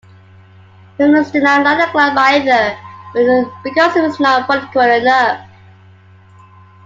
Feminists did not like the club either, because it was not political enough.